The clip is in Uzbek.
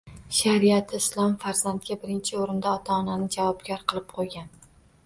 Shariyati Islom farzandga birinchi o‘rinda ota-onani javobgar qilib qo‘ygan